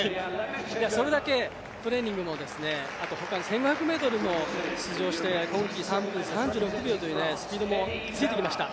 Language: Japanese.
それだけトレーニングも１５００ｍも出場して、今季３分３６秒というスピードもついてきました。